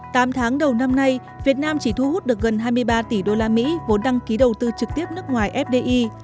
tám tháng đầu năm nay việt nam chỉ thu hút được gần hai mươi ba tỷ usd vốn đăng ký đầu tư trực tiếp nước ngoài fdi